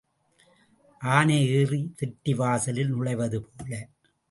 ஆனை ஏறித் திட்டிவாசலில் நுழைவதுபோல.